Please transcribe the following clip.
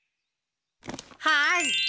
はい！